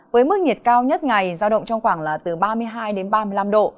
với mức nhiệt cao nhất ngày giao động trong khoảng từ ba mươi hai ba mươi năm độ